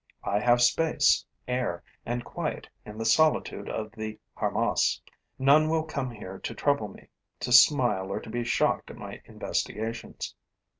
I have space, air and quiet in the solitude of the harmas. None will come here to trouble me, to smile or to be shocked at my investigations.